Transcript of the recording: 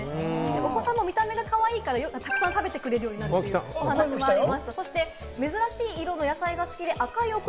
お子さんも見た目がかわいいから、たくさん食べてくれるようになったり、そういう声もありました。